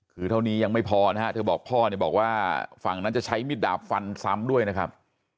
คือเท่านี้ยังไม่พอนะฮะเธอบอกพ่อเนี่ยบอกว่าฝั่งนั้นจะใช้มิดดาบฟันซ้ำด้วยนะครับ